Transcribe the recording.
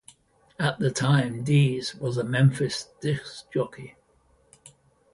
At the time, Dees was a Memphis disc jockey.